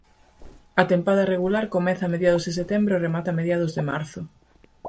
A tempada regular comeza a mediados de Setembro e remata a mediados de Marzo.